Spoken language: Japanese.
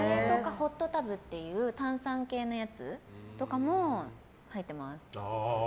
ホットタブっていう炭酸系のやつとかも入ってます。